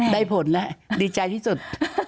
ได้ผลแล้วดีใจที่สุด